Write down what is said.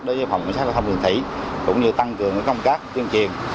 đối với phòng kiểm soát thông thường thủy cũng như tăng cường công cát tiên triền